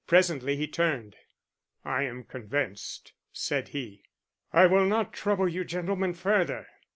Presently he turned. "I am convinced," said he. "I will not trouble you gentlemen further.